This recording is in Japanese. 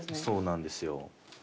そうなんですよ。